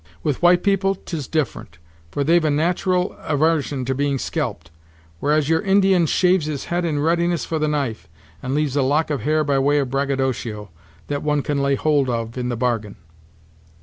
With white people 't is different, for they've a nat'ral avarsion to being scalped; whereas your Indian shaves his head in readiness for the knife, and leaves a lock of hair by way of braggadocio, that one can lay hold of in the bargain."